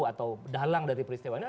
atau dalang dari peristiwa ini